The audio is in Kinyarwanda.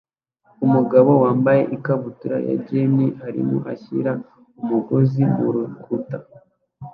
Umugabo wambaye ikabutura ya jean arimo ashyira umugozi murukuta